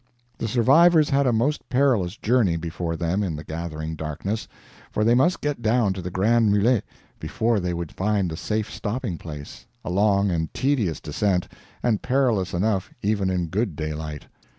The survivors had a most perilous journey before them in the gathering darkness, for they must get down to the Grands Mulets before they would find a safe stopping place a long and tedious descent, and perilous enough even in good daylight.